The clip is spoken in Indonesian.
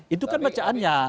itu kan bacaannya